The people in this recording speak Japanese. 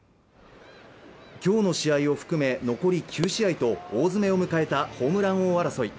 今日の試合を含め、残り９試合と大詰めを迎えたホームラン王争い。